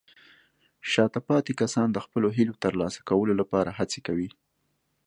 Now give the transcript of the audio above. شاته پاتې کسان د خپلو هیلو ترلاسه کولو لپاره هڅې کوي.